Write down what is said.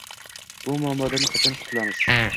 Bu muammodan qachon qutulamiz?